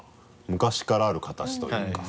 昔からある形というか。